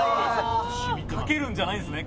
かけるんじゃないんですね。